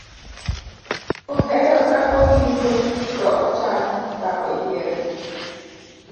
ohero ka owinjo to ochanyo ka oyiero